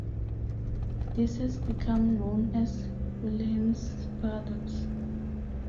This has become known as Wollheim's paradox.